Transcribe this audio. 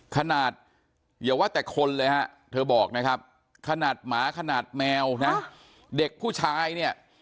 ขนาดอย่าว่าแต่คนเลยฮะเธอบอกนะครับขนาดหมาขนาดแมวนะเด็กผู้ชายเนี่ย